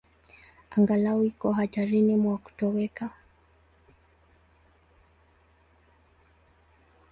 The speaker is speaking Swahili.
Angalau iko hatarini mwa kutoweka.